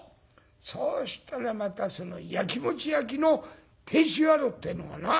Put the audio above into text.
そうしたらまたそのやきもちやきの亭主野郎ってえのがな